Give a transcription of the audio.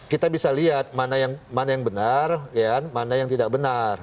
kita bisa lihat mana yang benar mana yang tidak benar